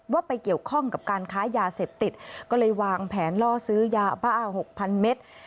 ว่าไปเกี่ยวข้องกับการค้ายาเสพติดก็เลยวางแผนล่อซื้อยาบ้า๖๐๐เมตร